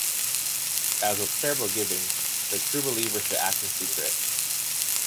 As with charitable giving, the true believer should act in secret.